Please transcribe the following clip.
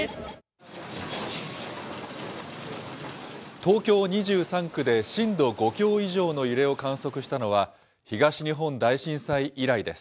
東京２３区で震度５強以上の揺れを観測したのは、東日本大震災以来です。